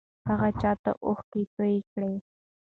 هغه چا ته اوښکې توې کړې؟